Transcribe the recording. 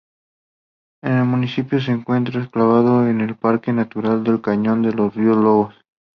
El municipio se encuentra enclavado en el Parque Natural del Cañón del Río Lobos.